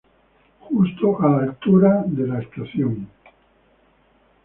Justo a la altura de la estación.